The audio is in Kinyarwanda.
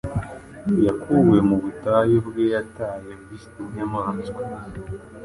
Yakuwe mu butayu bwe yataye Bwinyamaswa,